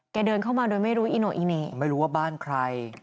เดินเข้ามาโดยไม่รู้อิโนอิเน่ไม่รู้ว่าบ้านใคร